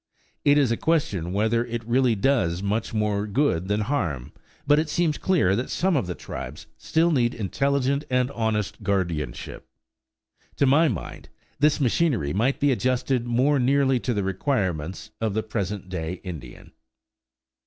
It is a question whether it really does much more good than harm; but it seems clear that some of the tribes still need intelligent and honest guardianship. To my mind, this machinery might be adjusted more nearly to the requirements of the present day Indian.